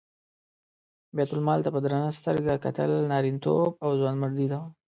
بیت المال ته په درنه سترګه کتل نارینتوب او ځوانمردي وه.